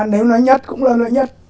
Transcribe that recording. nếu nói nhất cũng là nói nhất